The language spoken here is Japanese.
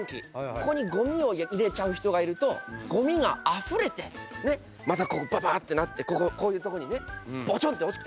ここにごみを入れちゃう人がいるとごみがあふれてまたここババッてなってこういうとこにねポチョンと落ちてどうする？